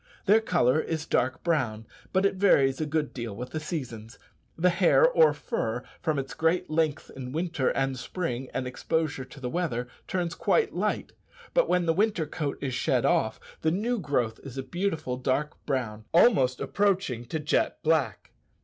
Their colour is dark brown, but it varies a good deal with the seasons. The hair or fur, from its great length in winter and spring and exposure to the weather, turns quite light; but when the winter coat is shed off, the new growth is a beautiful dark brown, almost approaching to jet black.